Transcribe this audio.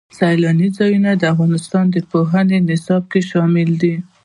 سیلانی ځایونه د افغانستان د پوهنې نصاب کې شامل دي.